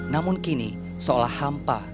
namun kini seolah hampa